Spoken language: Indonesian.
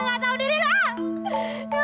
ngapain sih ya